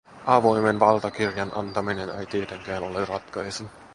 Avoimen valtakirjan antaminen ei tietenkään ole ratkaisu.